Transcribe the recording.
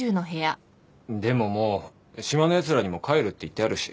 でももう島のやつらにも帰るって言ってあるし。